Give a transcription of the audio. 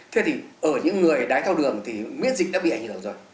thế thì ở những người đái thao đường thì miễn dịch đã bị ảnh hưởng rồi